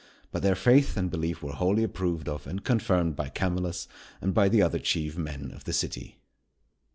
But their faith and belief were wholly approved of and confirmed by Camillus and by the other chief men of the city.